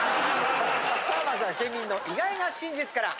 さあまずは県民の意外な真実から！